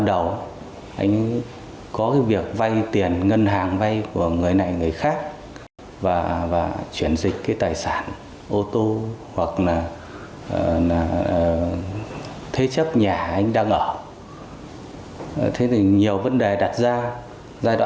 đặc biệt camera hành trình đã biến mất tích chưa rõ